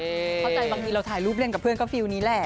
เข้าใจบางทีเราถ่ายรูปเล่นกับเพื่อนก็ฟิลล์นี้แหละ